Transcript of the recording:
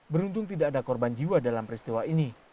beruntung tidak ada korban jiwa dalam peristiwa ini